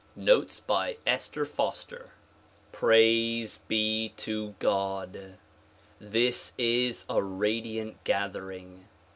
Notes by Esther Foster iRAISE be to God! this is a radiant gathering.